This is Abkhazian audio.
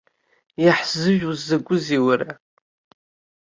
Иаҳзыжәуа закәызеи уара?!